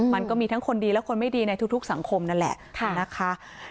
มันก็มีทั้งคนดีและคนไม่ดีในทุกสังคมนั่นแหละนะคะ